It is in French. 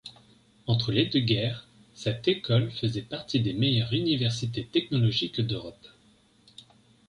Entre les deux guerres, cette école faisait partie des meilleures universités technologiques d'Europe.